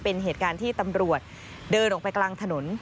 เป็นเหตุการณ์ที่ตำรวจเดินออกไปกลางถนน